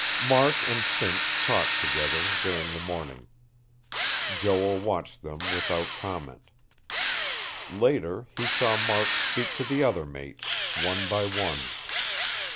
Mark and Finch talked together, during the morning. Joel watched them without comment. Later he saw Mark speak to the other mates, one by one.